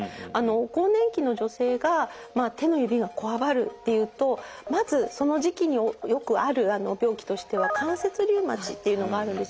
更年期の女性が手の指がこわばるっていうとまずその時期によくある病気としては関節リウマチっていうのがあるんですよね。